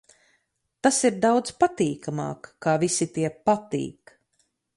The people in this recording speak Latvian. Tas ir daudz patīkamāk, kā visi tie "Patīk".